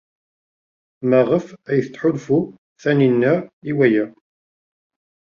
Maɣef ay tettḥulfu Taninna i waya?